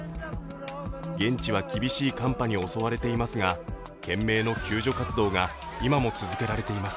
現地は厳しい寒波に襲われていますが懸命の救助活動が今も続けられています。